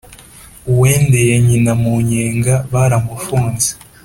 • uwendeye nyina mu nyenga baramufunze